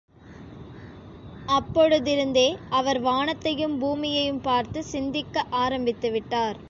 அப்பொழுதிருந்தே அவர் வானத்தையும் பூமியையும் பார்த்துச் சிந்திக்க ஆரம்பித்து விட்டார்.